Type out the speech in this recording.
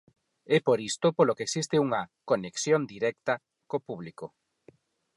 É por isto polo que existe unha "conexión directa" co público.